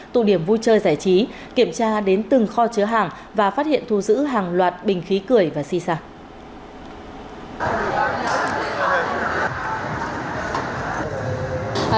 tụ điểm vui chơi giải trí kiểm tra đến từng kho chứa hàng và phát hiện thu giữ hàng loạt bình khí cười và si sản